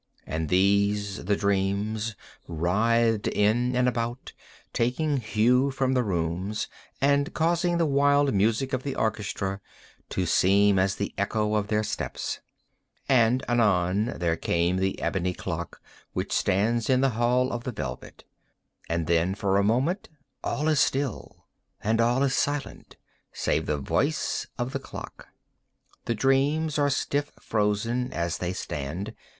And these—the dreams—writhed in and about, taking hue from the rooms, and causing the wild music of the orchestra to seem as the echo of their steps. And, anon, there strikes the ebony clock which stands in the hall of the velvet. And then, for a moment, all is still, and all is silent save the voice of the clock. The dreams are stiff frozen as they stand.